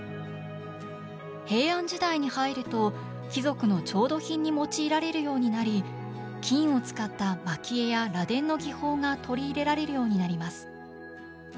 平安時代に入ると貴族の調度品に用いられるようになり金を使った蒔絵や螺鈿の技法が取り入れられるようになります。